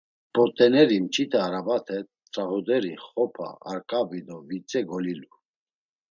P̌ot̆eneri mç̌ita arabate t̆rağuderi Xopa, Arkabi do Vitze golilu.